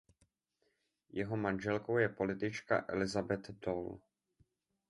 Jeho manželkou je politička Elizabeth Dole.